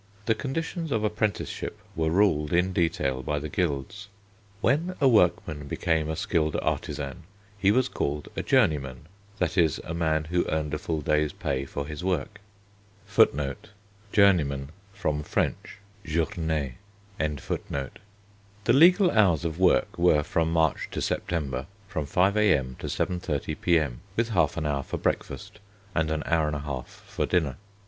The conditions of apprenticeship were ruled in detail by the guilds. When a workman became a skilled artisan he was called a journeyman, that is, a man who earned a full day's pay for his work. The legal hours of work were, from March to September, from 5 a.m. to 7.30 p.m., with half an hour for breakfast, and an hour and a half for dinner.